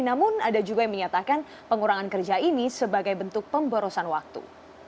namun ada juga yang menyatakan pengurangan kerja ini sebagai bentuk pemborosan waktu